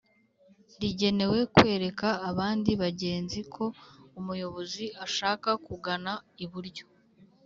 rigenewe kwereka abandi bagenzi ko umuyobozi ashaka kugana iburyo